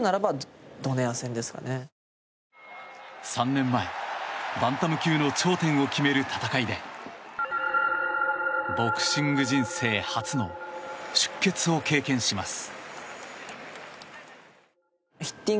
３年前バンタム級の頂点を決める戦いでボクシング人生初の出血を経験します。